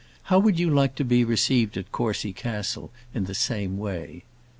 How would you like to be received at Courcy Castle in the same way?